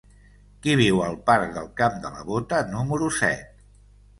Qui viu al parc del Camp de la Bota número set?